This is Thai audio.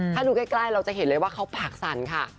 ถ้าดูใกล้เราจะเห็นเลยว่าเขาปากสั่นค่ะ